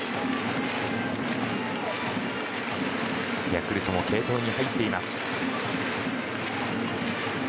ヤクルトも継投に入っています。